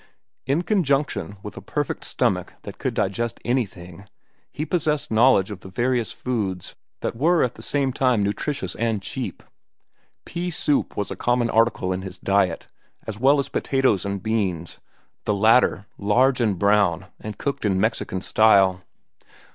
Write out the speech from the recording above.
In conjunction with a perfect stomach that could digest anything, he possessed knowledge of the various foods that were at the same time nutritious and cheap. Pea soup was a common article in his diet, as well as potatoes and beans, the latter large and brown and cooked in Mexican style.